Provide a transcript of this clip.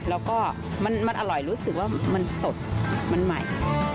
แล้วก็มันอร่อยรู้สึกว่ามันสดมันใหม่